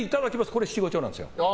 これ、七五調なんですよ。